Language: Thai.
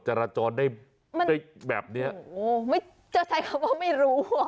เจ้าใช้คำครบว่าไม่รู้